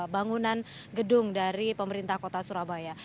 bangunan gedung dari pemerintah kota surabaya